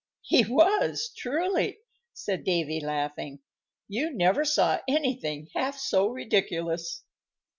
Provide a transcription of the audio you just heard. "He was, truly," said Davy, laughing; "you never saw anything half so ridiculous."